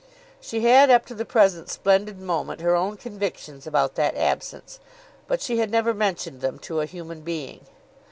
She had up to the present splendid moment her own convictions about that absence, but she had never mentioned them to a human being.